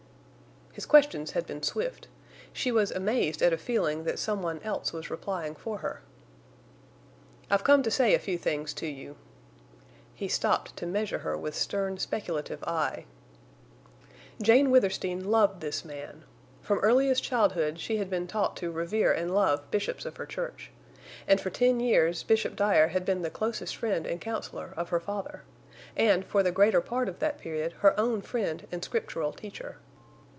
His questions had been swift. She was amazed at a feeling that some one else was replying for her. "I've come to say a few things to you." He stopped to measure her with stern, speculative eye. Jane Withersteen loved this man. From earliest childhood she had been taught to revere and love bishops of her church. And for ten years Bishop Dyer had been the closest friend and counselor of her father, and for the greater part of that period her own friend and Scriptural teacher.